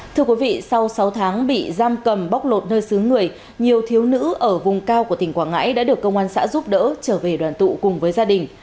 thưa quý vị sau sáu tháng bị giam cầm bóc lột nơi xứ người nhiều thiếu nữ ở vùng cao của tỉnh quảng ngãi đã được công an xã giúp đỡ trở về đoàn tụ cùng với gia đình